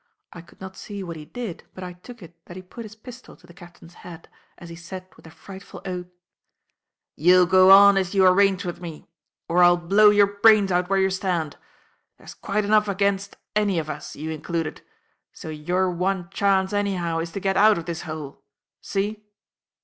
I could not see what he did, but I took it that he put his pistol to the captain's head as he said with a frightful oath: "You'll go on as you arranged with me; or I'll blow your brains out where you stand. There's quite enough against any of us, you included; so your one chance anyhow is to get out of this hole. See?"